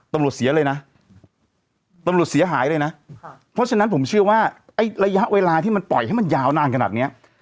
เสียเลยนะตำรวจเสียหายเลยนะเพราะฉะนั้นผมเชื่อว่าไอ้ระยะเวลาที่มันปล่อยให้มันยาวนานขนาดเนี้ย